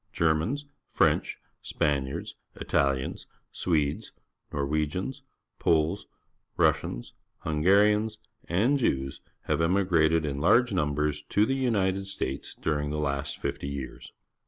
Germans, French, Span iards, Italians, Swedes, Nor The Capitol, wegians, Poles, Russians, Hungarians, and Jews have emigrated in large nmnbers to the United States during the last fifty years.